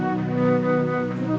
pergi kementerian mesir